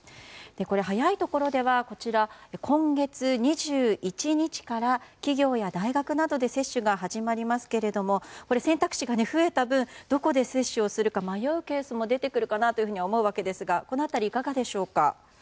早いところでは今月２１日から企業や大学などで接種が始まりますけれども選択肢が増えた分どこで接種をするか迷うケースも出てくるかなと思うわけですがこの辺り、いかがでしょうか。